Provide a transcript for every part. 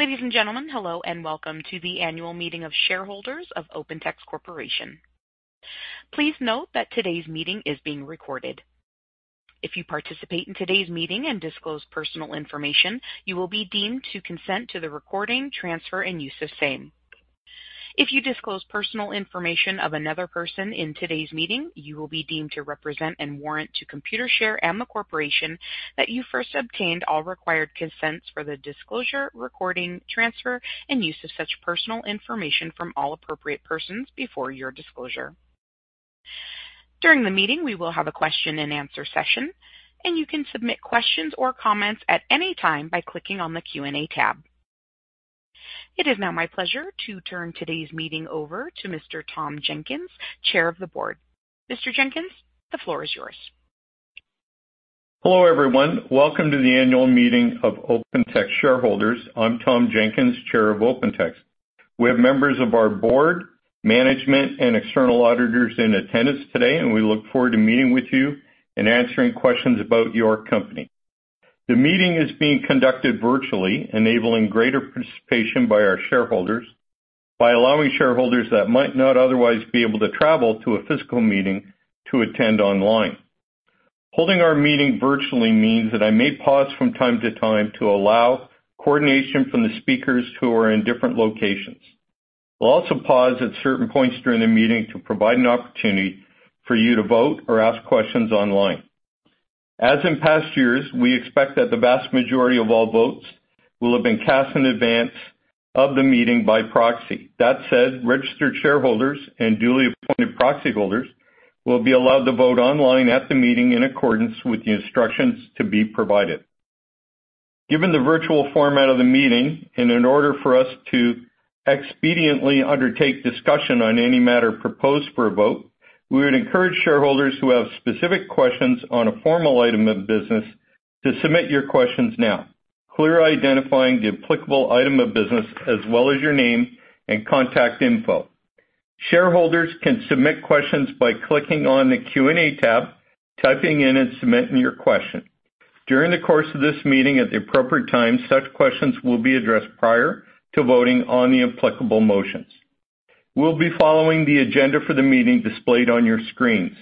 Ladies and gentlemen, hello, and welcome to the annual meeting of shareholders of OpenText Corporation. Please note that today's meeting is being recorded. If you participate in today's meeting and disclose personal information, you will be deemed to consent to the recording, transfer, and use of the same. If you disclose personal information of another person in today's meeting, you will be deemed to represent and warrant to Computershare and the Corporation that you first obtained all required consents for the disclosure, recording, transfer, and use of such personal information from all appropriate persons before your disclosure. During the meeting, we will have a question-and-answer session, and you can submit questions or comments at any time by clicking on the Q&A tab. It is now my pleasure to turn today's meeting over to Mr. Tom Jenkins, Chair of the Board. Mr. Jenkins, the floor is yours. Hello, everyone. Welcome to the annual meeting of OpenText shareholders. I'm Tom Jenkins, Chair of OpenText. We have members of our board, management, and external auditors in attendance today, and we look forward to meeting with you and answering questions about your company. The meeting is being conducted virtually, enabling greater participation by our shareholders by allowing shareholders that might not otherwise be able to travel to a physical meeting to attend online. Holding our meeting virtually means that I may pause from time to time to allow coordination from the speakers who are in different locations. We'll also pause at certain points during the meeting to provide an opportunity for you to vote or ask questions online. As in past years, we expect that the vast majority of all votes will have been cast in advance of the meeting by proxy. That said, registered shareholders and duly appointed proxy holders will be allowed to vote online at the meeting in accordance with the instructions to be provided. Given the virtual format of the meeting, and in order for us to expediently undertake discussion on any matter proposed for a vote, we would encourage shareholders who have specific questions on a formal item of business to submit your questions now, clearly identifying the applicable item of business as well as your name and contact info. Shareholders can submit questions by clicking on the Q&A tab, typing in, and submitting your question. During the course of this meeting, at the appropriate time, such questions will be addressed prior to voting on the applicable motions. We'll be following the agenda for the meeting displayed on your screens.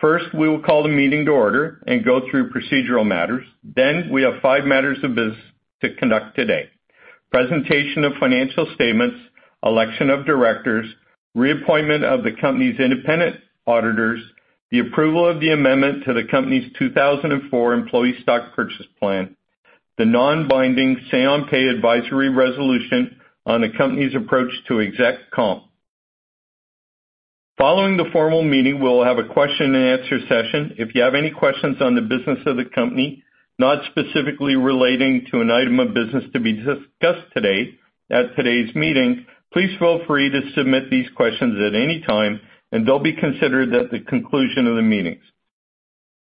First, we will call the meeting to order and go through procedural matters. Then we have five matters of business to conduct today: presentation of financial statements, election of directors, reappointment of the company's independent auditors, the approval of the amendment to the company's 2004 Employee Stock Purchase Plan, the non-binding say on pay advisory resolution on the company's approach to exec comp. Following the formal meeting, we'll have a question-and-answer session. If you have any questions on the business of the company, not specifically relating to an item of business to be discussed today at today's meeting, please feel free to submit these questions at any time, and they'll be considered at the conclusion of the meetings.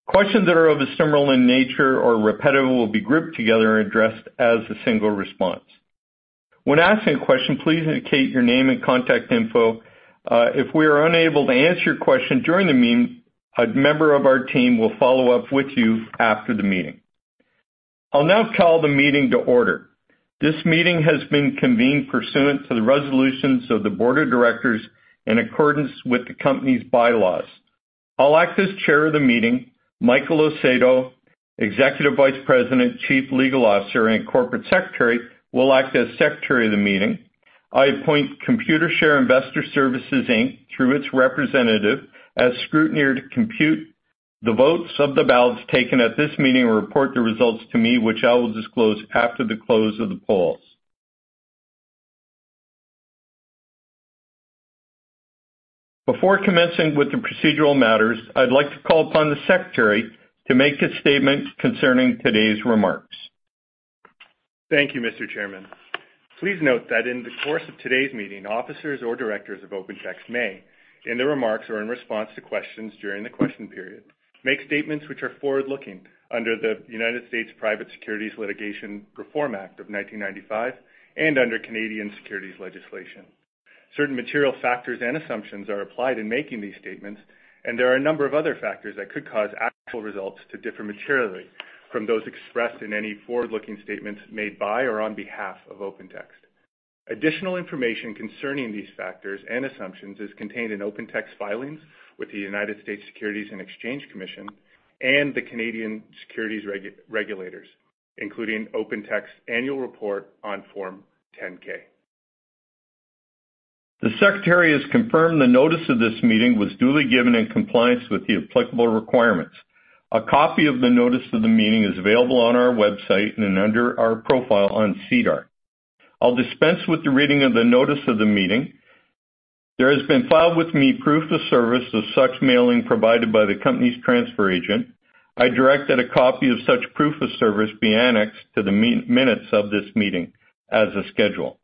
Questions that are of a similar nature or repetitive will be grouped together and addressed as a single response. When asking a question, please indicate your name and contact info. If we are unable to answer your question during the meeting, a member of our team will follow up with you after the meeting. I'll now call the meeting to order. This meeting has been convened pursuant to the resolutions of the board of directors in accordance with the company's bylaws. I'll act as chair of the meeting. Michael Acedo, Executive Vice President, Chief Legal Officer, and Corporate Secretary, will act as secretary of the meeting. I appoint Computershare Investor Services, Inc, through its representative, as scrutineer, to compute the votes of the ballots taken at this meeting and report the results to me, which I will disclose after the close of the polls. Before commencing with the procedural matters, I'd like to call upon the secretary to make a statement concerning today's remarks. Thank you, Mr. Chairman. Please note that in the course of today's meeting, officers or directors of OpenText may, in their remarks or in response to questions during the question period, make statements which are forward-looking under the United States Private Securities Litigation Reform Act of 1995 and under Canadian Securities Legislation. Certain material factors and assumptions are applied in making these statements, and there are a number of other factors that could cause actual results to differ materially from those expressed in any forward-looking statements made by or on behalf of OpenText. Additional information concerning these factors and assumptions is contained in OpenText filings with the United States Securities and Exchange Commission and the Canadian Securities Regulators, including OpenText's annual report on Form 10-K. The secretary has confirmed the notice of this meeting was duly given in compliance with the applicable requirements. A copy of the notice of the meeting is available on our website and under our profile on SEDAR. I'll dispense with the reading of the notice of the meeting. There has been filed with me proof of service of such mailing provided by the company's transfer agent. I direct that a copy of such proof of service be annexed to the minutes of this meeting as a schedule.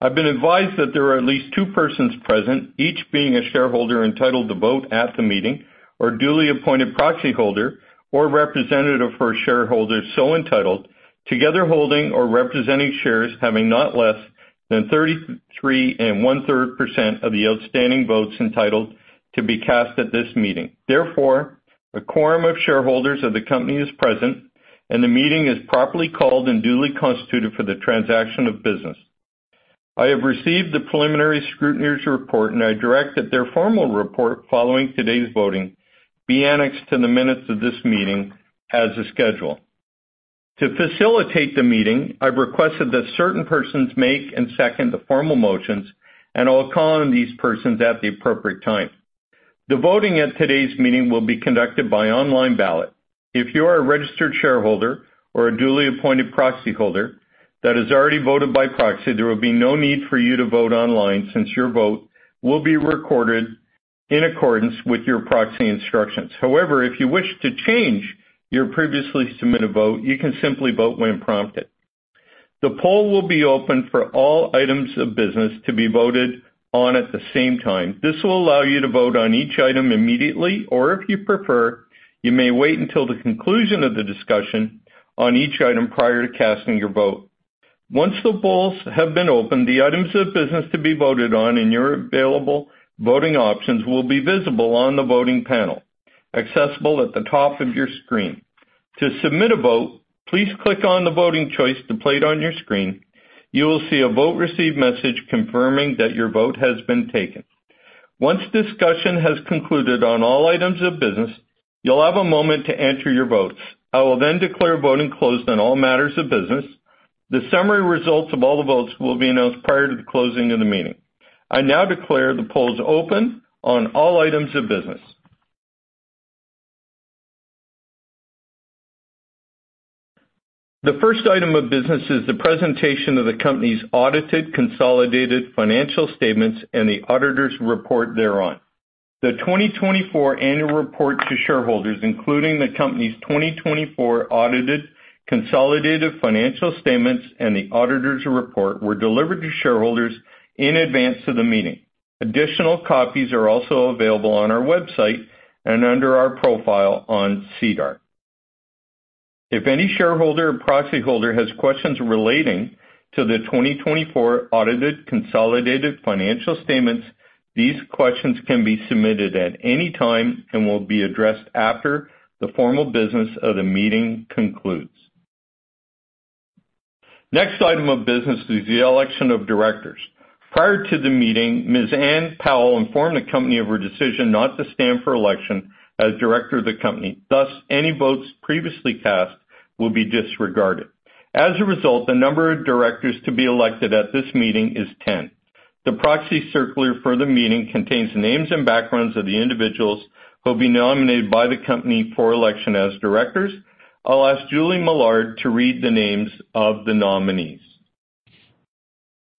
I've been advised that there are at least two persons present, each being a shareholder entitled to vote at the meeting or duly appointed proxy holder or representative for a shareholder so entitled, together holding or representing shares having not less than 33, and 1/3% of the outstanding votes entitled to be cast at this meeting. Therefore, a quorum of shareholders of the company is present, and the meeting is properly called and duly constituted for the transaction of business. I have received the preliminary scrutineer's report, and I direct that their formal report following today's voting be annexed to the minutes of this meeting as a schedule. To facilitate the meeting, I've requested that certain persons make and second the formal motions, and I'll call on these persons at the appropriate time. The voting at today's meeting will be conducted by online ballot. If you are a registered shareholder or a duly appointed proxyholder that has already voted by proxy, there will be no need for you to vote online since your vote will be recorded in accordance with your proxy instructions. However, if you wish to change your previously submitted vote, you can simply vote when prompted. The poll will be open for all items of business to be voted on at the same time. This will allow you to vote on each item immediately, or if you prefer, you may wait until the conclusion of the discussion on each item prior to casting your vote. Once the polls have been opened, the items of business to be voted on and your available voting options will be visible on the voting panel, accessible at the top of your screen. To submit a vote, please click on the voting choice displayed on your screen. You will see a vote received message confirming that your vote has been taken. Once discussion has concluded on all items of business, you'll have a moment to enter your votes. I will then declare voting closed on all matters of business. The summary results of all the votes will be announced prior to the closing of the meeting. I now declare the polls open on all items of business. The first item of business is the presentation of the company's audited consolidated financial statements and the auditor's report thereon. The 2024 annual report to shareholders, including the company's 2024 audited consolidated financial statements and the auditor's report, were delivered to shareholders in advance of the meeting. Additional copies are also available on our website and under our profile on SEDAR. If any shareholder or proxyholder has questions relating to the 2024 audited consolidated financial statements, these questions can be submitted at any time and will be addressed after the formal business of the meeting concludes. Next item of business is the election of directors. Prior to the meeting, Ms. Ann Powell informed the company of her decision not to stand for election as director of the company. Thus, any votes previously cast will be disregarded. As a result, the number of directors to be elected at this meeting is ten. The proxy circular for the meeting contains names and backgrounds of the individuals who will be nominated by the company for election as directors. I'll ask Julie Millard to read the names of the nominees.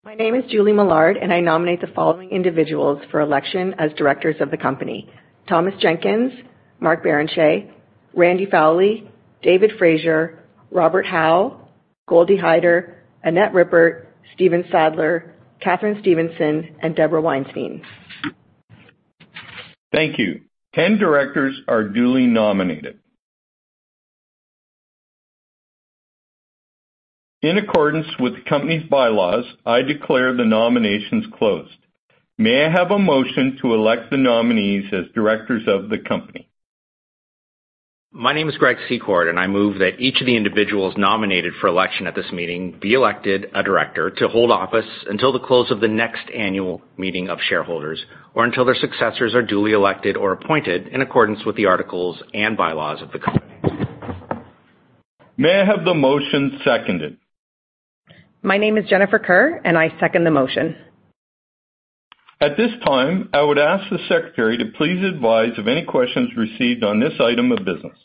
My name is Julie Millard, and I nominate the following individuals for election as directors of the company: Thomas Jenkins, Mark Barrenechea, Randy Fowlie, David Fraser, Robert Howe, Goldy Hyder, Annette Rippert, Stephen Sadler, Katharine Stevenson, and Deborah Weinstein. Thank you. 10 directors are duly nominated. In accordance with the company's bylaws, I declare the nominations closed. May I have a motion to elect the nominees as directors of the company? My name is Greg Secord, and I move that each of the individuals nominated for election at this meeting be elected a director to hold office until the close of the next annual meeting of shareholders or until their successors are duly elected or appointed in accordance with the articles and bylaws of the company. May I have the motion seconded? My name is Jennifer Kerr, and I second the motion. At this time, I would ask the secretary to please advise of any questions received on this item of business.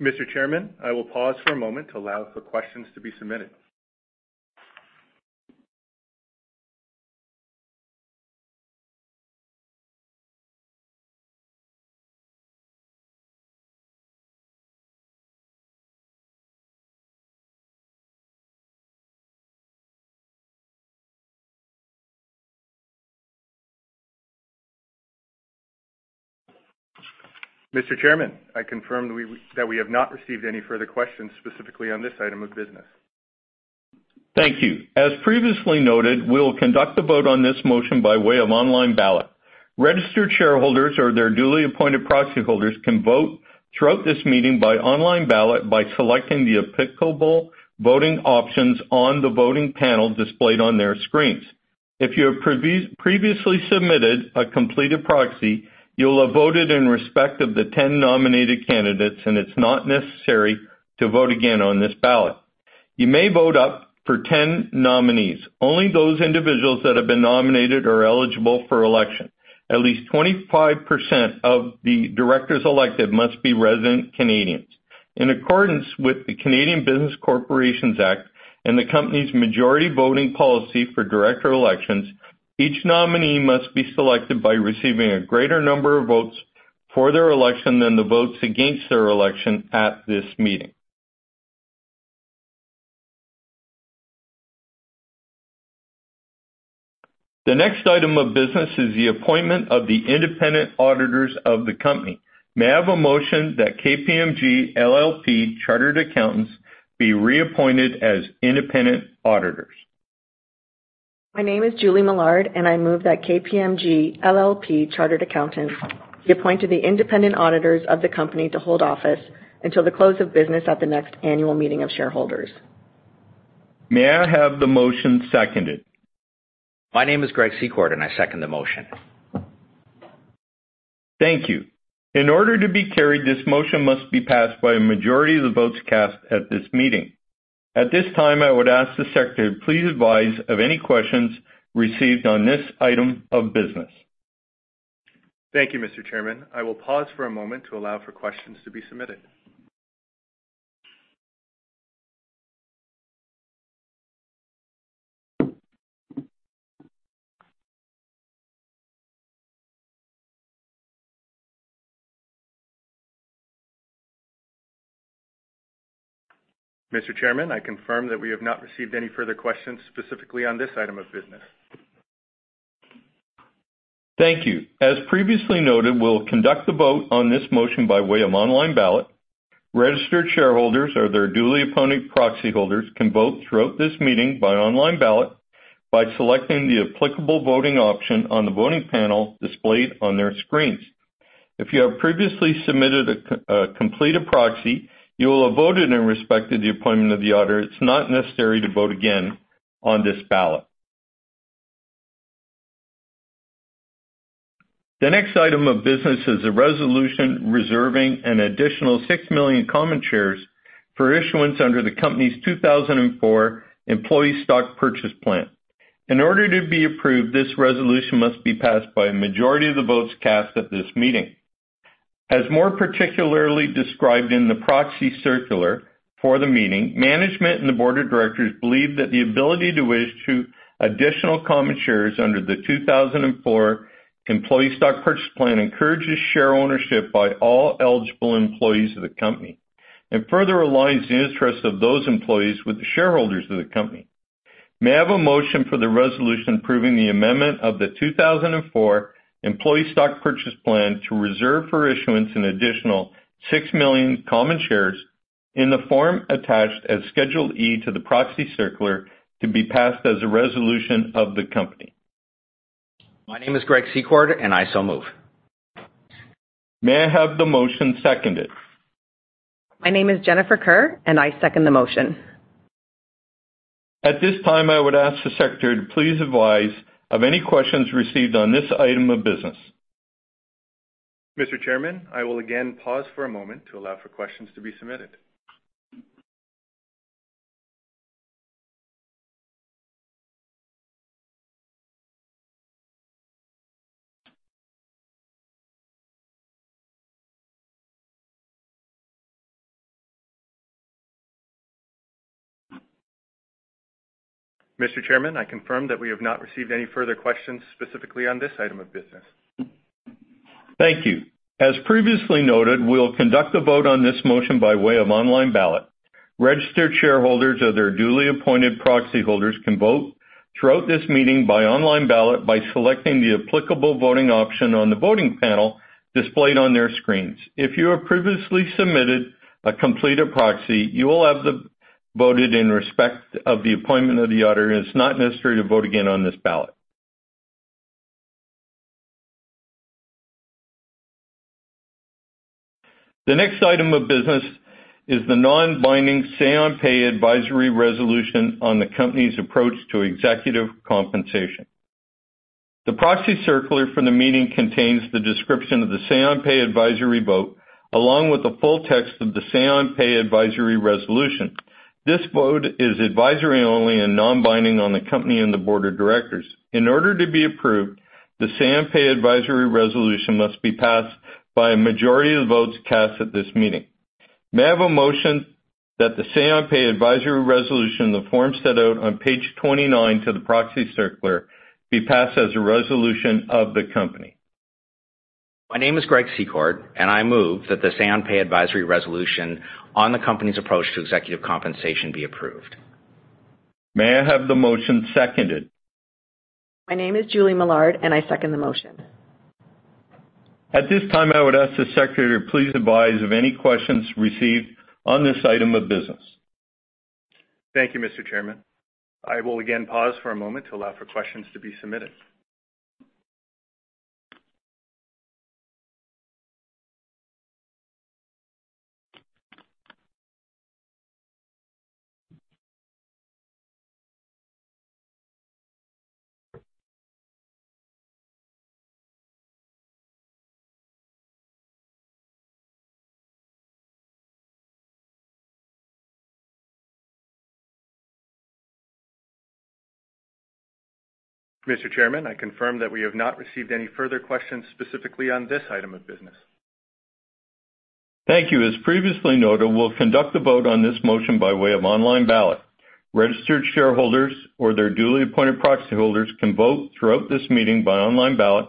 Mr. Chairman, I will pause for a moment to allow for questions to be submitted. Mr. Chairman, I confirm that we have not received any further questions specifically on this item of business. Thank you. As previously noted, we'll conduct the vote on this motion by way of online ballot. Registered shareholders or their duly appointed proxy holders can vote throughout this meeting by online ballot by selecting the applicable voting options on the voting panel displayed on their screens. If you have previously submitted a completed proxy, you'll have voted in respect of the 10 nominated candidates, and it's not necessary to vote again on this ballot. You may vote up for 10 nominees. Only those individuals that have been nominated are eligible for election. At least 25% of the directors elected must be resident Canadians. In accordance with the Canadian Business Corporations Act and the Company's Majority Voting Policy for director elections, each nominee must be selected by receiving a greater number of votes for their election than the votes against their election at this meeting. The next item of business is the appointment of the independent auditors of the company. May I have a motion that KPMG LLP Chartered Accountants be reappointed as independent auditors? My name is Julie Millard, and I move that KPMG LLP Chartered Accountants be appointed the independent auditors of the company to hold office until the close of business at the next annual meeting of shareholders. May I have the motion seconded? My name is Greg Secord, and I second the motion. Thank you. In order to be carried, this motion must be passed by a majority of the votes cast at this meeting. At this time, I would ask the secretary to please advise of any questions received on this item of business. Thank you, Mr. Chairman. I will pause for a moment to allow for questions to be submitted. Mr. Chairman, I confirm that we have not received any further questions specifically on this item of business. Thank you. As previously noted, we'll conduct the vote on this motion by way of online ballot. Registered shareholders or their duly appointed proxy holders can vote throughout this meeting by online ballot by selecting the applicable voting option on the voting panel displayed on their screens. If you have previously submitted a completed proxy, you will have voted in respect to the appointment of the auditor. It's not necessary to vote again on this ballot. The next item of business is a resolution reserving an additional six million common shares for issuance under the company's 2024 Employee Stock Purchase Plan. In order to be approved, this resolution must be passed by a majority of the votes cast at this meeting. As more particularly described in the proxy circular for the meeting, management and the board of directors believe that the ability to issue additional common shares under the 2004 Employee Stock Purchase plan encourages share ownership by all eligible employees of the company and further aligns the interests of those employees with the shareholders of the company. May I have a motion for the resolution approving the amendment of the 2004 Employee Stock Purchase Plan to reserve for issuance an additional 6 million common shares in the form attached as Schedule E to the proxy circular to be passed as a resolution of the company? My name is Greg Secord, and I so move. May I have the motion seconded? My name is Jennifer Kerr, and I second the motion. At this time, I would ask the secretary to please advise of any questions received on this item of business. Mr. Chairman, I will again pause for a moment to allow for questions to be submitted. Mr. Chairman, I confirm that we have not received any further questions specifically on this item of business. Thank you. As previously noted, we'll conduct a vote on this motion by way of online ballot. Registered shareholders or their duly appointed proxy holders can vote throughout this meeting by online ballot by selecting the applicable voting option on the voting panel displayed on their screens. If you have previously submitted a completed proxy, you will have already voted in respect of the appointment of the auditor, and it's not necessary to vote again on this ballot. The next item of business is the non-binding Say-On-Pay Advisory Resolution on the company's approach to executive compensation. The proxy circular from the meeting contains the description of the Say-On-Pay Advisory vote, along with the full text of the Say-On-Pay Advisory Resolution. This vote is advisory only and non-binding on the Company and the Board of Directors. In order to be approved, the Say-On-Pay Advisory Resolution must be passed by a majority of the votes cast at this meeting. May I have a motion that the Say-On-Pay Advisory Resolution, in the form set out on page 29 to the proxy circular, be passed as a resolution of the company? My name is Greg Secord, and I move that the Say-On-Pay Advisory Resolution on the company's approach to executive compensation be approved. May I have the motion seconded? My name is Julie Millard, and I second the motion. At this time, I would ask the secretary to please advise of any questions received on this item of business. Thank you, Mr. Chairman. I will again pause for a moment to allow for questions to be submitted. Mr. Chairman, I confirm that we have not received any further questions specifically on this item of business. Thank you. As previously noted, we'll conduct the vote on this motion by way of online ballot. Registered shareholders or their duly appointed proxy holders can vote throughout this meeting by online ballot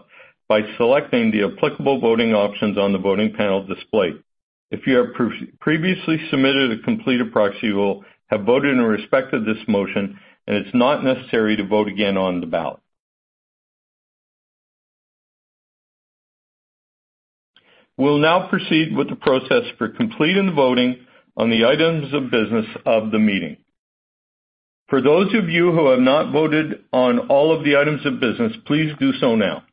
by selecting the applicable voting options on the voting panel displayed. If you have previously submitted a completed proxy, you will have voted in respect to this motion, and it's not necessary to vote again on the ballot. We'll now proceed with the process for completing the voting on the items of business of the meeting. For those of you who have not voted on all of the items of business, please do so now.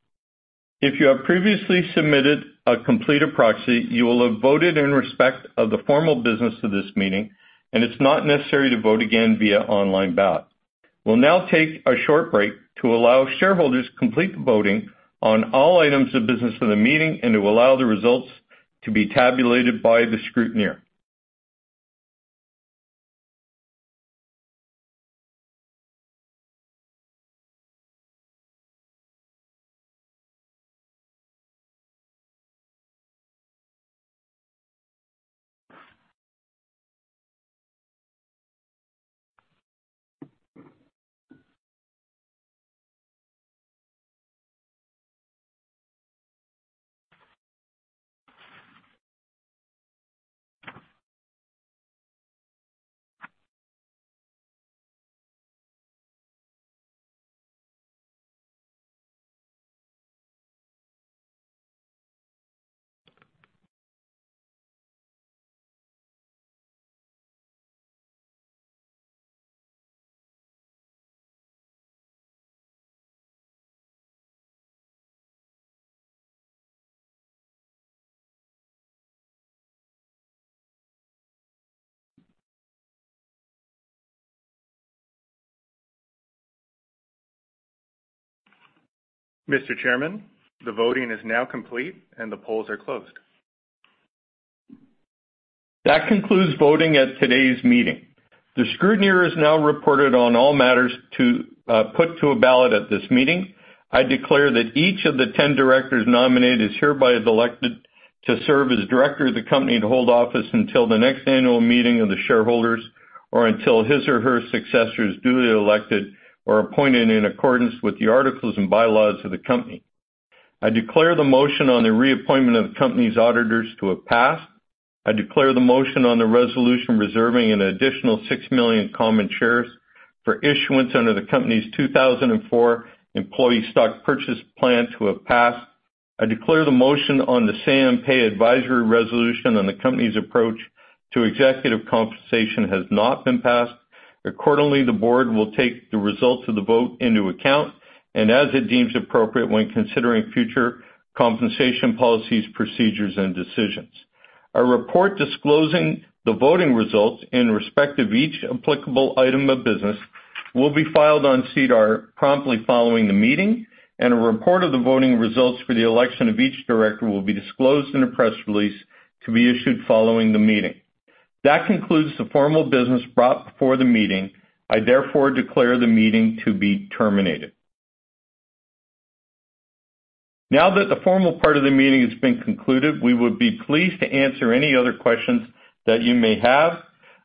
If you have previously submitted a completed proxy, you will have voted in respect of the formal business of this meeting, and it's not necessary to vote again via online ballot. We'll now take a short break to allow shareholders to complete the voting on all items of business of the meeting and to allow the results to be tabulated by the scrutineer. Mr. Chairman, the voting is now complete, and the polls are closed. That concludes voting at today's meeting. The scrutineer has now reported on all matters to put to a ballot at this meeting. I declare that each of the 10 directors nominated is hereby elected to serve as director of the company, to hold office until the next annual meeting of the shareholders, or until his or her successors duly elected or appointed in accordance with the articles and bylaws of the company. I declare the motion on the reappointment of the company's auditors to have passed. I declare the motion on the resolution, reserving an additional six million common shares for issuance under the Company's 2004 Employee Stock Purchase Plan to have passed. I declare the motion on the Say-On-Pay Advisory Resolution on the company's approach to executive compensation has not been passed. Accordingly, the board will take the results of the vote into account and as it deems appropriate when considering future compensation policies, procedures, and decisions. A report disclosing the voting results in respect of each applicable item of business will be filed on SEDAR promptly following the meeting, and a report of the voting results for the election of each director will be disclosed in a press release to be issued following the meeting. That concludes the formal business brought before the meeting. I therefore declare the meeting to be terminated. Now, that the formal part of the meeting has been concluded, we would be pleased to answer any other questions that you may have.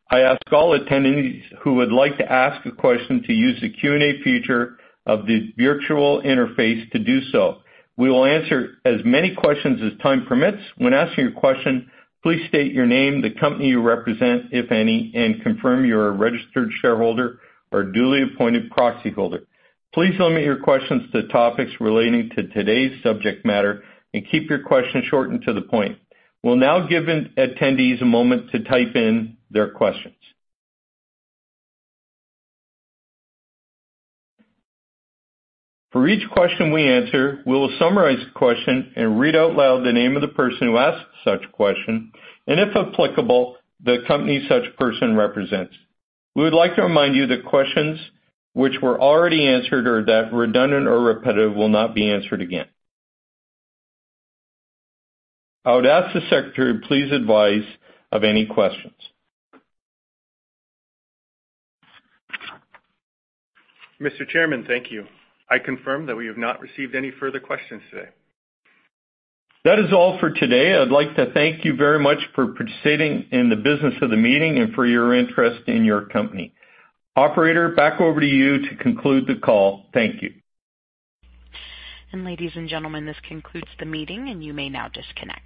I ask all attendees who would like to ask a question to use the Q&A feature of the virtual interface to do so. We will answer as many questions as time permits. When asking your question, please state your name, the company you represent, if any, and confirm you're a registered shareholder or duly appointed proxy holder. Please limit your questions to topics relating to today's subject matter and keep your questions short and to the point. We'll now give attendees a moment to type in their questions. For each question we answer, we will summarize the question and read out loud the name of the person who asked such question, and, if applicable, the company such person represents. We would like to remind you that questions which were already answered or that redundant or repetitive will not be answered again. I would ask the secretary to please advise of any questions. Mr. Chairman, thank you. I confirm that we have not received any further questions today. That is all for today. I'd like to thank you very much for participating in the business of the meeting and for your interest in your company. Operator, back over to you to conclude the call. Thank you. Ladies and gentlemen, this concludes the meeting, and you may now disconnect.